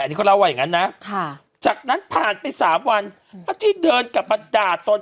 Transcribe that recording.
อันนี้เขาเล่าว่าอย่างนั้นนะจากนั้นผ่านไป๓วันพระที่เดินกลับมาด่าตน